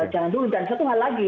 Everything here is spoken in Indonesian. jangan dulu dan satu hal lagi